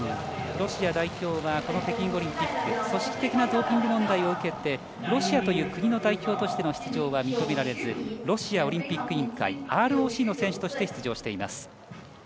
ロシア代表はこの北京オリンピック組織的なドーピング問題を受けてロシアという国の代表としての出場は認められずロシアオリンピック委員会＝ＲＯＣの選手として出場しています。